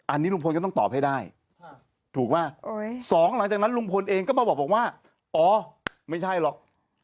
อันนี้ลุงพลก็ต้องตอบให้ได้ถูกไหมสองหลังจากนั้นลุงพลเองก็มาบอกว่าอ๋อไม่ใช่หรอก